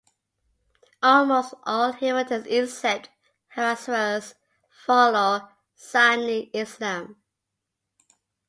Almost all inhabitants except Hazaras follow Sunni Islam.